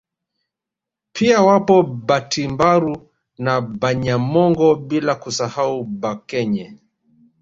Pia wapo Batimbaru na Banyamongo bila kusahau Bakenye